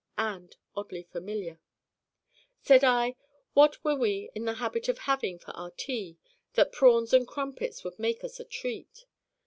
And oddly familiar. Said I: 'What were we in the habit of having for our tea that prawns and crumpets would make us a treat?